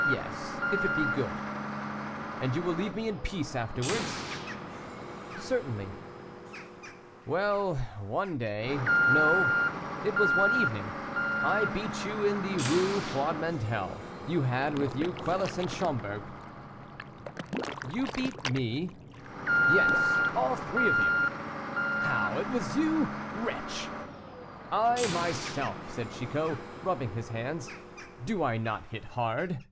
"Yes, if it be good." "And you will leave me in peace afterwards?" "Certainly." "Well, one day no, it was one evening, I beat you in the Rue Foidmentel; you had with you Quelus and Schomberg." "You beat me?" "Yes, all three of you." "How, it was you! wretch!" "I, myself," said Chicot, rubbing his hands, "do I not hit hard?"